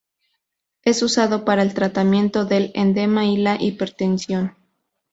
Es usado para el tratamiento del edema y la hipertensión.